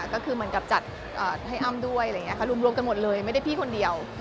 ก็คือเหมือนกับจัดให้อ้ำด้วยอะไรอย่างนี้ค่ะรวมกันหมดเลยไม่ได้พี่คนเดียว